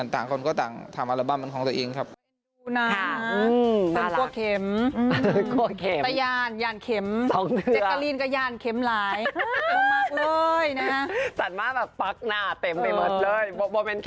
ต่างคนก็ต่างทำอัลบั้มเป็นของตัวเองครับ